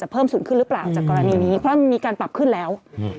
เพิ่มสูงขึ้นหรือเปล่าจากกรณีนี้เพราะมันมีการปรับขึ้นแล้ว